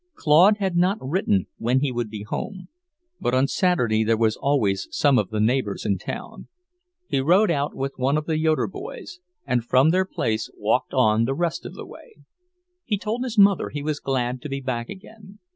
Claude had not written when he would be home, but on Saturday there were always some of the neighbours in town. He rode out with one of the Yoeder boys, and from their place walked on the rest of the way. He told his mother he was glad to be back again.